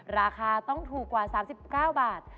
ราคาต้องถูกกว่า๓๙บาท